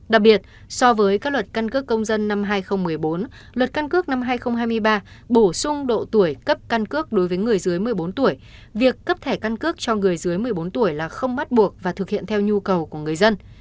đặc biệt so với các luật căn cước công dân năm hai nghìn một mươi bốn luật căn cước năm hai nghìn hai mươi ba bổ sung độ tuổi cấp căn cước đối với người dưới một mươi bốn tuổi việc cấp thẻ căn cước cho người dưới một mươi bốn tuổi là không bắt buộc và thực hiện theo nhu cầu của người dân